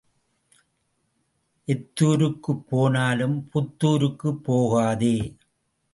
எத்தூருக்குப் போனாலும் புத்தூருக்குப் போகாதே.